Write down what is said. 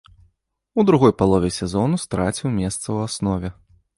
У другой палове сезону страціў месца ў аснове.